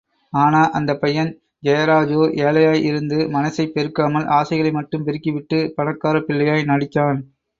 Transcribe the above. ஆனா, அந்தப் பையன் ஜெயராஜோ ஏழையாய் இருந்து, மனசைப் பெருக்காமல் ஆசைகளை மட்டும் பெருக்கிக்கிட்டு, பணக்காரப் பிள்ளையாய் நடிச்சான்!